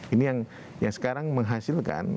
ini yang sekarang menghasilkan